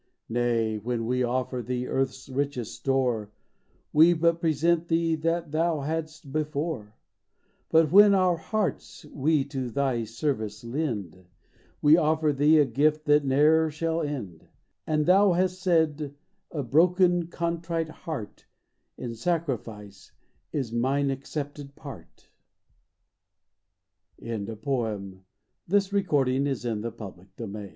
Nay, when we offer Thee earth's richest store We but present Thee that Thou hads't before; But when our hearts we to Thy service lend We offer Thee a gift that ne'er shall end, — And Thou hast said, "A broken contrite heart In sacrifice is Mine accepted part" XI AN INSCRIPTION In a volume of Herrick's " HesJ>